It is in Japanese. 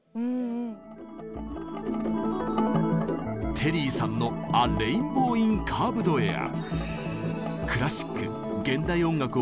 テリーさんの「ア・レインボー・イン・カーヴド・エア」。